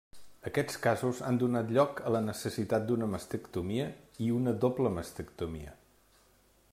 Aquests casos han donat lloc a la necessitat d'una mastectomia i una doble mastectomia.